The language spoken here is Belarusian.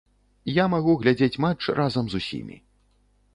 Я магу глядзець матч разам з усімі.